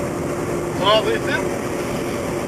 Tɣaḍ-iten?